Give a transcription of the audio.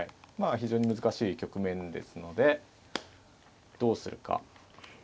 非常に難しい局面ですのでどうするか。